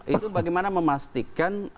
itu bagaimana memastikan